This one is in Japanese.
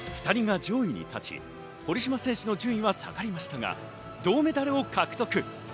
２人が上位に立ち、堀島選手の順位は下がりましたが銅メダルを獲得。